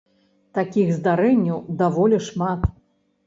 Такіх здарэнняў даволі шмат.